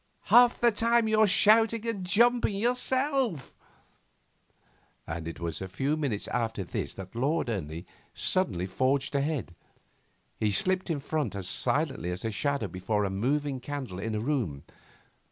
Half the time you're shouting and jumping yourself!' And it was a few minutes after this that Lord Ernie suddenly forged ahead. He slipped in front as silently as a shadow before a moving candle in a room.